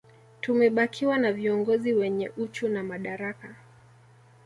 Tumebakiwa na viongozi wenye uchu na madaraka